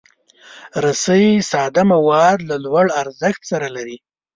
رسۍ ساده مواد له لوړ ارزښت سره لري.